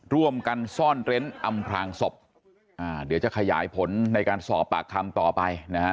ร่วมกันซ่อนเร้นอำพลางศพอ่าเดี๋ยวจะขยายผลในการสอบปากคำต่อไปนะฮะ